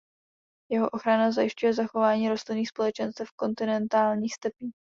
Jeho ochrana zajišťuje zachování rostlinných společenstev kontinentálních stepí.